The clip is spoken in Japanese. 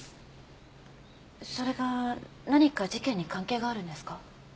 それが何か事件に関係があるんですか？